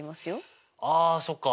あそっか。